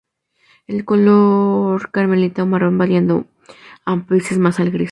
Es de color carmelita o marrón, variando a veces más al gris.